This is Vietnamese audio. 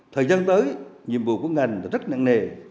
thời gian tới nhiệm vụ của ngành là rất nặng nề